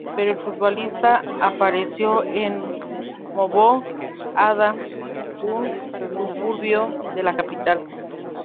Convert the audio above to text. Pero el futbolista apareció en Mvog-Ada, un suburbio de la capital.